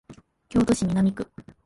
京都市南区